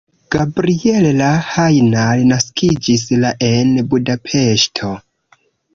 Gabriella Hajnal naskiĝis la en Budapeŝto.